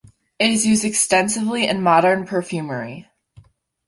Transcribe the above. It is used extensively in modern perfumery.